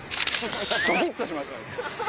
ドキ！っとしましたもん。